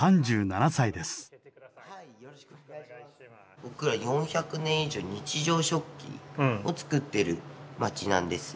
僕ら４００年以上日常食器を作ってる町なんですよ。